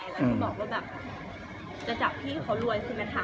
แล้วที่บอกว่าแบบจะจับพี่เขารวยคือมันถามพี่ไปแล้วว่ามีหมู่ร้านเหมือนไงครับ